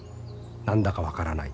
何だか分からない。